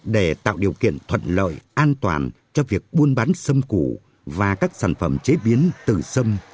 để tạo điều kiện thuận lợi an toàn cho việc buôn bán sâm củ và các sản phẩm chế biến từ xâm